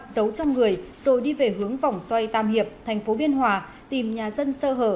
giấu trong người rồi đi về hướng vòng xoay tam hiệp thành phố biên hòa tìm nhà dân sơ hở